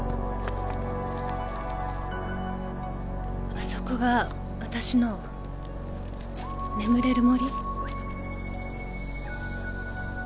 あそこがあたしの眠れる森？